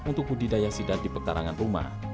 untuk budidaya sidat di pekarangan rumah